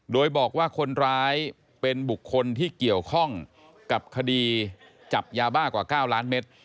โดยบอกว่าคนร้ายเป็นบุคคลที่เกี่ยวข้องกับคดีจับยาบ้ากว่า๙ล้านเมตร